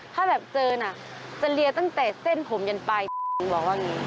ถ้าแบบเจอน่ะจะเลียตั้งแต่เส้นผมยันไปถึงบอกว่าอย่างนี้